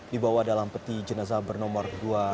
dibawa dalam peti jenazah bernomor dua ratus tiga belas